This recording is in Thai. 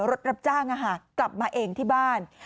รถรับจ้างอาหารกลับมาเองที่บ้าน